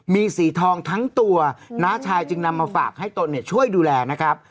มีสีทองทั้งตัวน้าชายจึงนำมาฝากให้ตนเนี่ยช่วยดูแลนะครับ